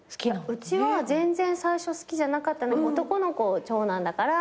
うちは全然最初好きじゃなかったのに男の子長男だから。